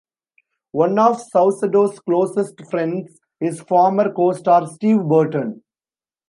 One of Saucedo's closest friends is former co-star Steve Burton.